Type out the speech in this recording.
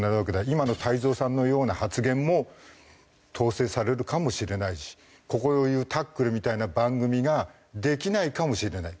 今の太蔵さんのような発言も統制されるかもしれないしこういう『タックル』みたいな番組ができないかもしれない。